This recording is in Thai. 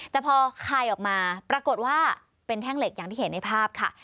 แต่พอคายออกมาปรากฏว่าเป็นแท่งเหล็กอย่างที่เห็นในภาพค่ะ